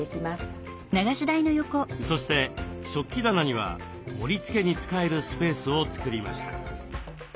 そして食器棚には盛りつけに使えるスペースを作りました。